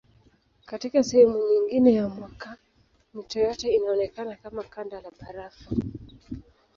Katika sehemu nyingine ya mwaka mito yote inaonekana kama kanda la barafu.